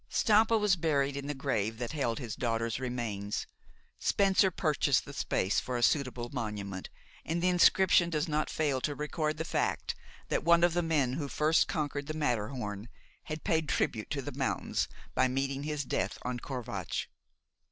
Stampa was buried in the grave that held his daughter's remains. Spencer purchased the space for a suitable monument, and the inscription does not fail to record the fact that one of the men who first conquered the Matterhorn had paid tribute to the mountains by meeting his death on Corvatsch.